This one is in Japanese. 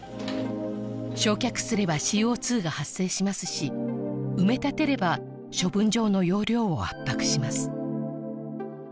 焼却すればＣＯ２が発生しますし埋め立てれば処分場の容量を圧迫します